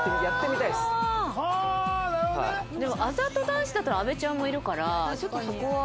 でもあざと男子だったら阿部ちゃんもいるからちょっとそこは。